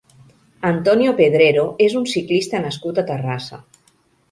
Antonio Pedrero és un ciclista nascut a Terrassa.